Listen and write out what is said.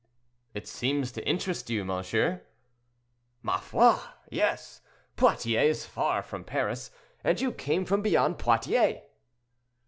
"It seems to interest you, monsieur?" "Ma foi! yes. Poitiers is far from Paris, and you came from beyond Poitiers."